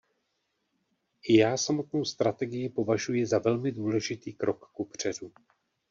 I já samotnou strategii považuji za velmi důležitý krok kupředu.